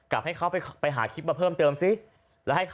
ให้เขาไปหาคลิปมาเพิ่มเติมซิ